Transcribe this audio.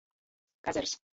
Kazers.